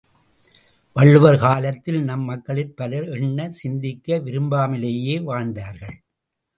வள்ளுவர் காலத்தில் நம் மக்களிற் பலர் எண்ண சிந்திக்க விரும்பாமலேயே வாழ்ந்தார்கள்.